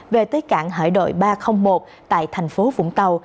về tới cảng hải đội ba trăm linh một tại thành phố vũng tàu